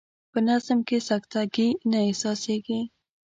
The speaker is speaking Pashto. په نظم کې سکته ګي نه احساسیږي.